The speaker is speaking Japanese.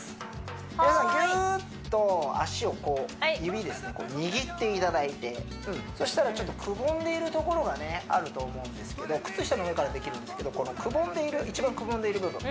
皆さんギューッと足をこう指ですね握っていただいてうんそしたらちょっとと思うんですけど靴下の上からできるんですけどこのくぼんでいる一番くぼんでいる部分